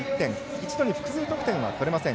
一度に複数得点は取れません